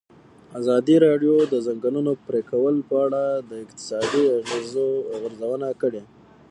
ازادي راډیو د د ځنګلونو پرېکول په اړه د اقتصادي اغېزو ارزونه کړې.